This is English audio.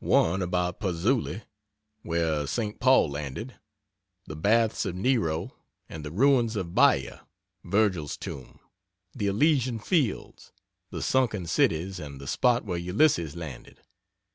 1 about Pazzuoli, where St. Paul landed, the Baths of Nero, and the ruins of Baia, Virgil's tomb, the Elysian Fields, the Sunken Cities and the spot where Ulysses landed.